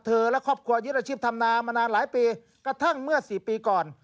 และครอบครัวยึดอาชีพธรรมนามานานหลายปีกระทั่งเมื่อสี่ปีก่อน